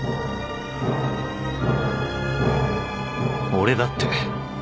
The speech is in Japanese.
俺だって